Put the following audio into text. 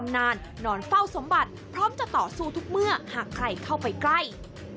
นอนเฝ้าสมบัติพร้อมจะต่อสู้ทุกเมื่อหากใครเข้าไปใกล้